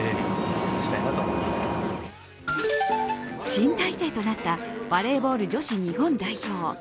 新体制となったバレーボール女子日本代表。